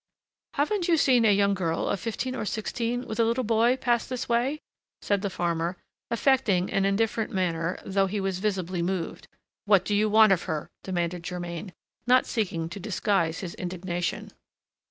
"Haven't you seen a young girl of fifteen or sixteen, with a little boy, pass this way?" said the farmer, affecting an indifferent manner, although he was visibly moved. "What do you want of her?" demanded Germain, not seeking to disguise his indignation.